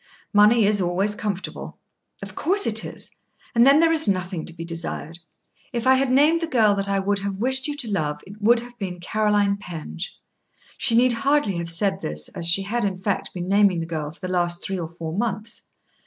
"Money is always comfortable." "Of course it is, and then there is nothing to be desired. If I had named the girl that I would have wished you to love, it would have been Caroline Penge." She need hardly have said this as she had in fact been naming the girl for the last three or four months.